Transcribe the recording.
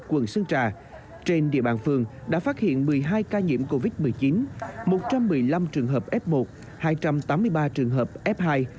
quận sơn trà trên địa bàn phường đã phát hiện một mươi hai ca nhiễm covid một mươi chín một trăm một mươi năm trường hợp f một hai trăm tám mươi ba trường hợp f hai